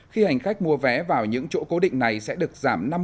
khi hành khách mua vé vào những chỗ cố định này sẽ được giảm năm mươi giá vé